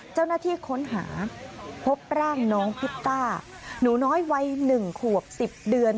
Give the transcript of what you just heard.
เจ้าหน้าที่ค้นหาพบร่างน้องพิตต้าหนูน้อยวัย๑ขวบ๑๐เดือน